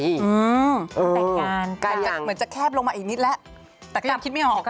แต่งงานกันเหมือนจะแคบลงมาอีกนิดแล้วแต่ก็ยังคิดไม่ออกอ่ะ